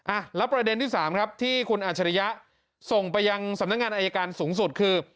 อ่ะแล้วประเด็นที่สามครับที่คุณอัจฉริยะส่งไปยังสำนักงานอายการสูงสุดคือ